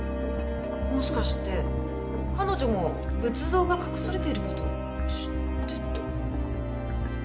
もしかして彼女も仏像が隠されている事を知ってた？